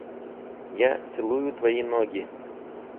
Я целую твои ноги.